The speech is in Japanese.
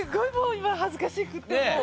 今恥ずかしくってもう。